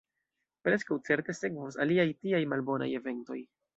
Preskaŭ certe sekvos aliaj tiaj malbonaj eventoj.